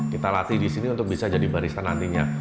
kita latih di sini untuk bisa jadi barista nantinya